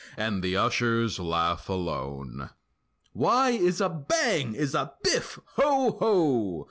And the ushers laugh alone. Why is a—(Bang!)—is a—(Biff!) Ho, ho!